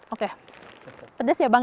oke pedas ya bang